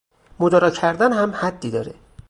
مدارا کردن هم حدی داره